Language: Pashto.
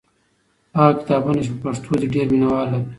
هغه کتابونه چې په پښتو دي ډېر مینه وال لري.